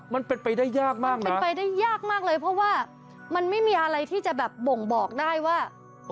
มันเป็นไปได้ยากมากเลยเป็นไปได้ยากมากเลยเพราะว่ามันไม่มีอะไรที่จะแบบบ่งบอกได้ว่า